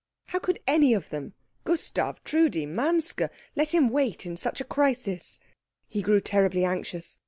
How could any of them Gustav, Trudi, Manske let him wait at such a crisis? He grew terribly anxious.